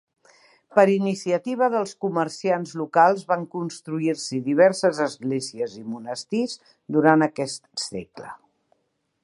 Per iniciativa dels comerciants locals van construir-s'hi diverses esglésies i monestirs durant aquest segle.